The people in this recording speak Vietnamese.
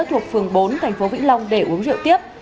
thuộc phường bốn tp vĩnh long để uống rượu tiếp